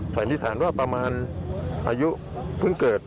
สันนิษฐานว่าประมาณอายุเพิ่งเกิด